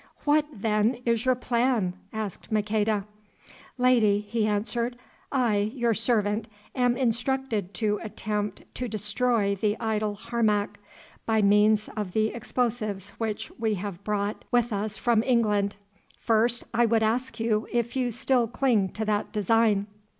"What, then, is your plan?" asked Maqueda. "Lady," he answered, "I, your servant, am instructed to attempt to destroy the idol Harmac, by means of the explosives which we have brought with us from England. First, I would ask you if you still cling to that design?"